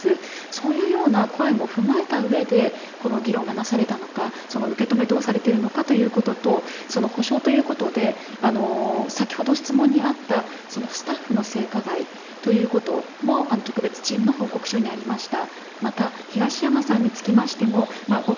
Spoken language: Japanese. そういうような声も踏まえたうえでこの議論がなされたのかその受け止めをどうされているのかということと補償ということで先ほど質問にあったスタッフの性加害ということも特別チームの報告書にありました。